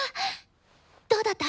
どうだった？